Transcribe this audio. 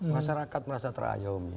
masyarakat merasa terayomi